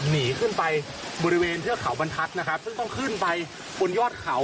หนีขึ้นไปบริเวณเทือกเขาบรรทัศน์นะครับซึ่งต้องขึ้นไปบนยอดเขา